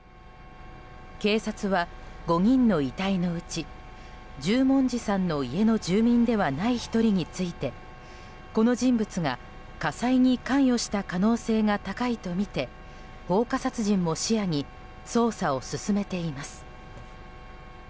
警察は５人の遺体のうち十文字さんの家の住民ではない１人についてこの人物が、火災に関与した可能性が高いとみて放火殺人も視野に捜査を進めています。